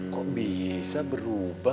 kok bisa berubah